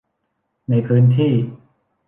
ในพื้นที่